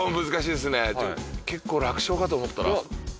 結構楽勝かと思ったら。